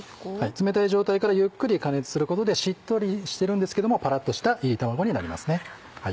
冷たい状態からゆっくり加熱することでしっとりしてるんですけどもパラっとした炒り卵になりますね。